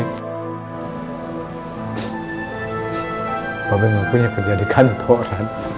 mbak be gak punya kejadian kantoran